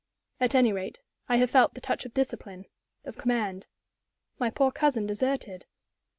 At any rate, I have felt the touch of discipline, of command. My poor cousin deserted.